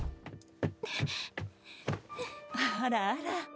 あらあら。